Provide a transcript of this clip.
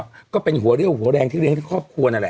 มาเสียหมดแล้วหัวเร็วหัวแรงที่เลี้ยงที่ครอบครัวแล้วละ